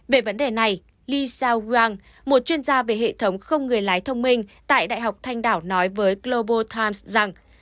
về vấn đề này li xiaowang một chuyên gia về hệ thống không người lái thông minh tại đại học thanh đảo nói với global times rằng